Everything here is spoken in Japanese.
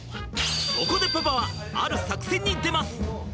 そこでパパはある作戦に出ます！